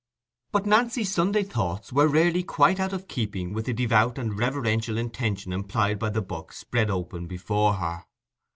But Nancy's Sunday thoughts were rarely quite out of keeping with the devout and reverential intention implied by the book spread open before her.